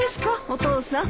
お父さん。